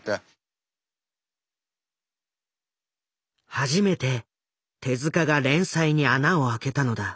初めて手が連載に穴をあけたのだ。